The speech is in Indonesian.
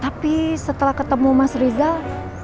tapi setelah ketemu mas rizal